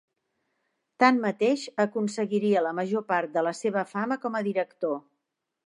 Tanmateix, aconseguiria la major part de la seva fama com a director.